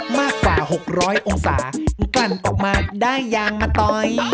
มากกว่า๖๐๐องศาปั่นออกมาได้ยางมะตอย